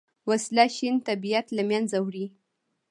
وسله شین طبیعت له منځه وړي